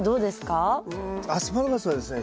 うんアスパラガスはですね